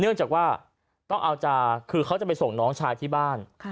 เนื่องจากว่าต้องเอาจากคือเขาจะไปส่งน้องชายที่บ้าน